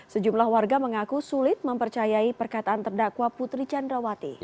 sejumlah warga mengaku sulit mempercayai perkataan terdakwa putri candrawati